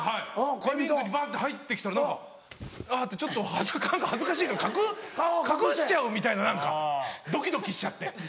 リビングにバって入って来たら何か「あぁ」ってちょっと恥ずかしいから隠しちゃうみたいな何かドキドキしちゃって。